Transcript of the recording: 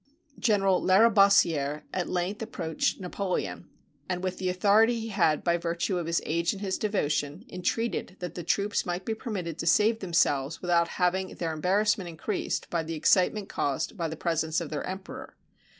General Lariboisiere at length approached Napoleon, and with the authority he had by virtue of his age and his devotion, entreated that the troops might be permitted to save themselves without having their embarrassment increased by the excitement caused by the presence of their emperor.